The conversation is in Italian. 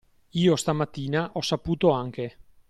Io stamattina ho saputo anche.